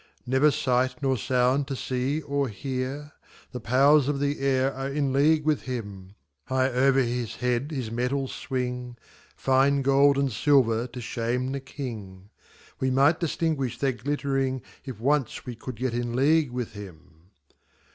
Never sight nor sound to see or hear; The powers of the air are in league with him; High over his head his metals swing, Fine gold and silver to shame the king; We might distinguish their glittering, If once we could get in league with him.